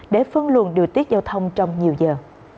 để phân luồn điều tiết giao thông trong nhiều giờ